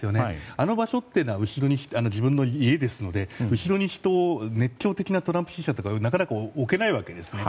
あの場所っていうのは後ろが自分の家ですので後ろに熱狂的なトランプ支持者をなかなか置けないわけですね。